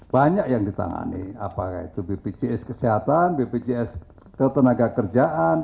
banyak yang ditangani apakah itu bpjs kesehatan bpjs ketenaga kerjaan